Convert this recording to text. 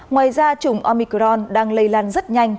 ngoài ra chủng omicron đang lây lan rất nhanh